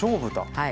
はい。